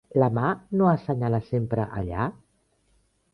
La ma no assenyala sempre allà?